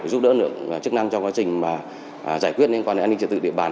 giúp đỡ lượng chức năng trong quá trình giải quyết an ninh trẻ tự địa bàn